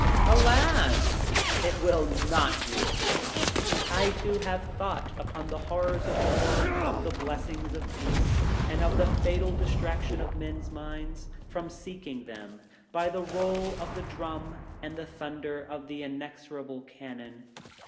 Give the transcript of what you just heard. "Alas! It will NOT do it, Bates. I, too, have thought upon the horrors of war, of the blessings of peace, and of the fatal distraction of men's minds from seeking them, by the roll of the drum and the thunder of the inexorable cannon.